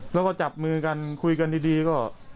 แล้วก็จับมือกันคุยกันดีก็